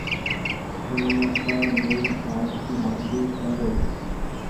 چمآٽا لين آس ڀآڃي سآرو